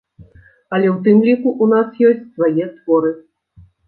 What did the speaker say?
Але ў тым ліку, у нас ёсць свае творы!